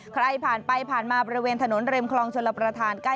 ใครผ่านไปผ่านมาบริเวณถนนริมคลองชลประธานใกล้